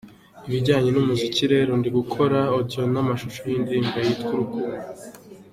Ibijyanye n'umuziki rero ndi gukora audio n'amashusho y'indirimbo yitwa 'Urukundo'.